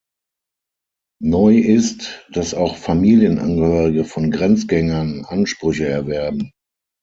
Neu ist, dass auch Familienangehörige von Grenzgängern Ansprüche erwerben.